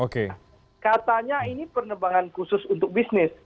katanya ini penerbangan khusus untuk bisnis